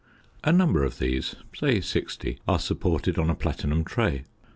A number of these, say 60, are supported on a platinum tray.